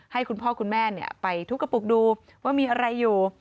ให้คุณพ่อคุณแม่ไปทุกกระปุกดูว่ามีอะไรอยู่